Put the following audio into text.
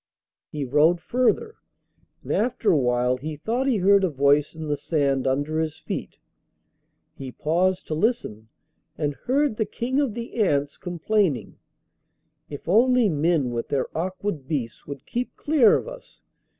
He rode further, and after a while he thought he heard a voice in the sand under his feet. He paused to listen, and heard the King of the Ants complaining: 'If only men with their awkward beasts would keep clear of us!